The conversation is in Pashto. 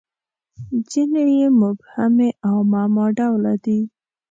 • ځینې یې مبهمې او معما ډوله دي.